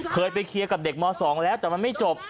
เคยไปเคลียร์กับเด็กม๒แล้วแต่มันไม่จบ